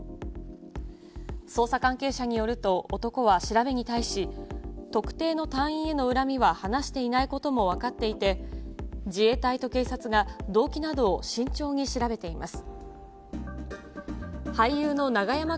捜査関係者によると、男は調べに対し、特定の隊員への恨みは話していないことも分かっていて、自衛隊と警察が動機などを慎重に調べています。